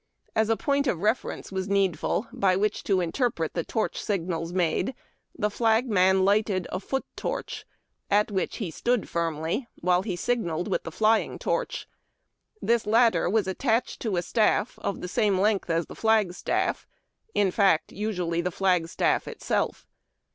As a ■• point of reference " ^yas needful, by wliich to interpret the torch signals made, the flagman lighted a "foot torch,"' at ^yhich he stood firmly ^vhile he signalled with the "flying torch."' This latter was attached to a staff of the same length as the flagstaff, in fact, usually the flag staff itself.